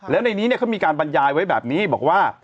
แล้วในนี้เขามีการบรรยายไว้แบบนี้บอกว่า